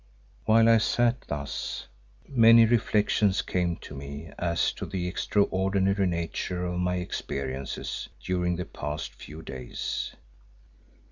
While I sat thus many reflections came to me as to the extraordinary nature of my experiences during the past few days.